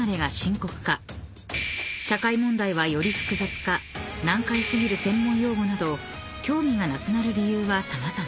［社会問題はより複雑化難解過ぎる専門用語など興味がなくなる理由は様々］